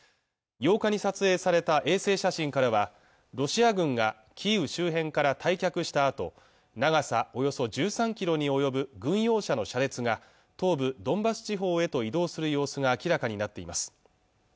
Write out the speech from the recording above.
８日に撮影された衛星写真からはロシア軍がキーウ周辺から退却したあと長さおよそ１３キロに及ぶ軍用車の車列が東部ドンバス地方へと移動する様子が明らかになっています